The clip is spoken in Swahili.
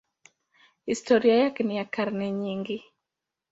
Historia yake ni ya karne nyingi.